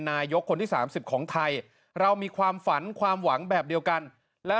นายกคนที่๓๐ของไทยเรามีความฝันความหวังแบบเดียวกันและ